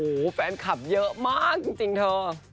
โอ้โหแฟนคลับเยอะมากจริงเธอ